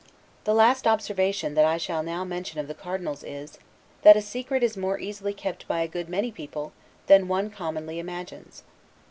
The last observation that I shall now mention of the Cardinal's is, "That a secret is more easily kept by a good many people, than one commonly imagines."